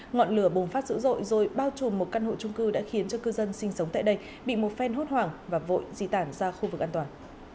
ngọn lửa bùng phát dữ dội rồi bao trùm một căn hộ trung cư đã khiến cho cư dân sinh sống tại đây bị một phen hốt hoảng và vội di tản ra khu vực an toàn